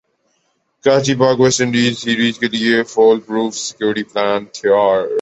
Karachi Pak West Indies series کیلئے foolproof security plan تیار